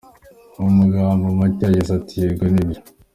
Mu magambo macye yagize ati “ Yego nibyo.